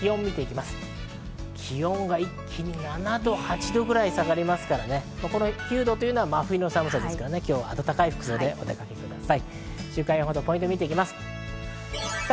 気温が一気に７度、８度くらい下がりますから、この９度は真冬の寒さ、今日は暖かい服装でお出かけください。